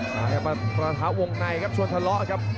มาหากน้าร่าทะวงในกับชวนทะเลล่อนีครับ